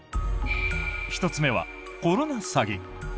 １つ目はコロナ詐欺。